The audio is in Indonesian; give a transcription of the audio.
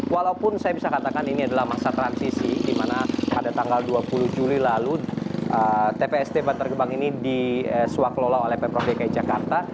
walaupun saya bisa katakan ini adalah masa transisi di mana pada tanggal dua puluh juli lalu tpst bantar gebang ini disuak lola oleh pemprov dki jakarta